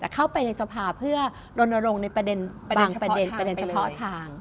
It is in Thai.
เข้าไปในสภาเพื่อโรนโรงในประเด็นหรือประเด็นเฉพาะทาง